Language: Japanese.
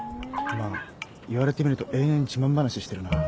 まあ言われてみると延々自慢話してるな。